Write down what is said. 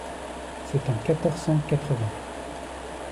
-c’est en quatorze cent quatre-vingt…